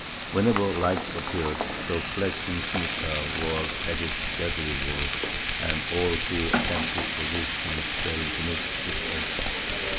Whenever lights appeared, the flashing scimitar was at its deadly work, and all who attempted resistance fell beneath its edge.